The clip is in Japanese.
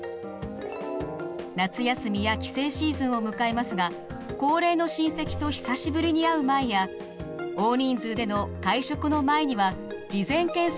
夏休みや帰省シーズンを迎えますが高齢の親戚と久しぶりに会う前や大人数での会食の前には事前検査を受けましょう。